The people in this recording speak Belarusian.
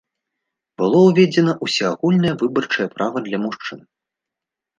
Было ўведзена ўсеагульнае выбарчае права для мужчын.